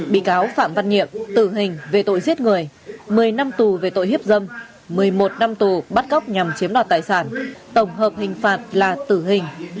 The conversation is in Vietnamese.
bị cáo phạm văn nhiệm tử hình về tội giết người một mươi năm tù về tội hiếp dâm một mươi một năm tù bắt cóc nhằm chiếm đoạt tài sản tổng hợp hình phạt là tử hình